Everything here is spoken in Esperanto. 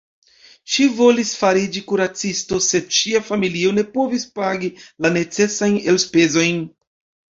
Ŝi volis fariĝi kuracisto, sed ŝia familio ne povis pagi la necesajn elspezojn.